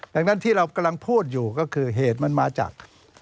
ดังนั้นที่เรากำลังพูดอยู่ก็คือเหตุมันมาจาก